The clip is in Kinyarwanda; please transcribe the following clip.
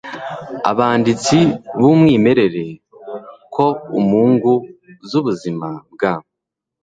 Abanditsi bumwimerere Koumungu zubuzima bwa